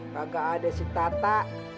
kagak ada si tata